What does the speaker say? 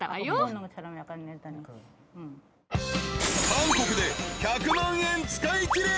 ［韓国で１００万円使いきれ］